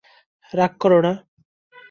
রাগ করো না।